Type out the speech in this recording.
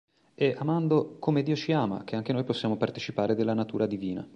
È amando "come Dio ci ama" che anche noi possiamo partecipare della natura divina.